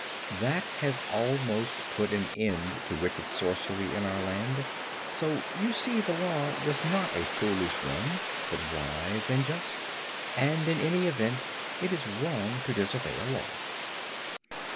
That has almost put an end to wicked sorcery in our land, so you see the Law was not a foolish one, but wise and just; and, in any event, it is wrong to disobey a Law."